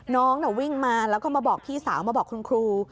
น้องวิ่งมาแล้วก็มาบอกพี่สาวมาบอกคุณครู